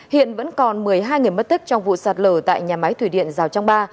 hiện vẫn còn một mươi hai người mất tích trong vụ sạt lờ tại nhà máy thủy điện sảo trăng ba